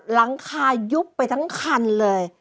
หลังคายุบไปทั้งคันเลย